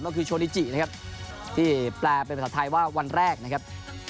ก็คือโชนิจินะครับที่แปลเป็นภาษาไทยว่าวันแรกนะครับ